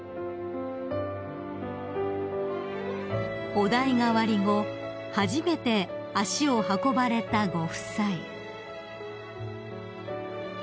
［お代替わり後初めて足を運ばれたご夫妻］